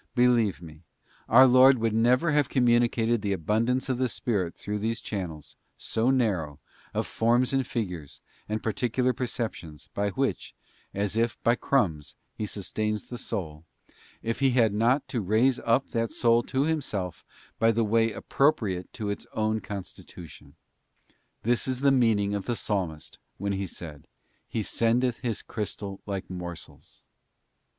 Believe me, our Lord would never have communicated the abundance of the Spirit through these channels, so narrow, of forms and 'figures and particular perceptions, by which, as if by crumbs, He sustains the soul, if He had not to raise up that soul to Himself in the way appropriate to its own constitu tion. This is the meaning of the Psalmist when he said: ' He sendeth His crystal like morsels.